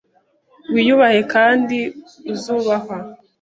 Wiyubahe kandi uzubahwa.